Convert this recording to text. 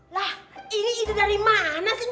lah ini itu dari mana sih